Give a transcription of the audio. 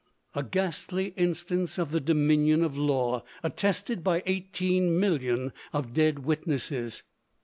A ghastly instance of the dominion of law, attested by 18,000,000 of dead witnesses.